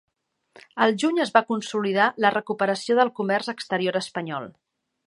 El juny es va consolidar la recuperació del comerç exterior espanyol.